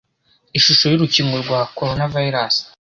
Ishusho y'urukingo rwa Coronavirus